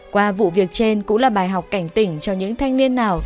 qua vụ việc trên cũng là bài học cảnh tỉnh cho những thanh niên nào